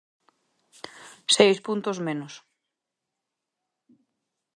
Seis puntos menos.